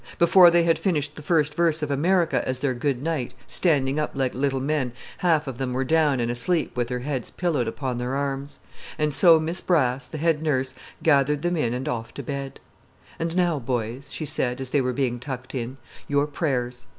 Before they had finished the first verse of "America" as their good night, standing up like little men, half of them were down and asleep with their heads pillowed upon their arms. And so Miss Brass, the head nurse, gathered them in and off to bed. "And now, boys," she said as they were being tucked in, "your prayers."